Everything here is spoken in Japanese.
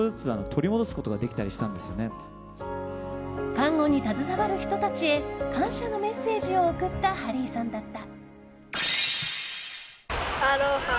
看護に携わる人たちへ感謝のメッセージを送ったハリーさんだった。